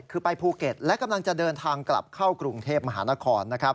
คือไปภูเก็ตและกำลังจะเดินทางกลับเข้ากรุงเทพมหานคร